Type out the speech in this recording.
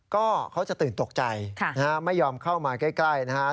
ก็เขาจะตื่นตกใจค่ะนะฮะไม่ยอมเข้ามาใกล้ใกล้นะฮะ